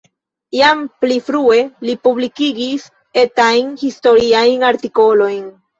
Jam pli frue li publikigis etajn historiajn artikolojn.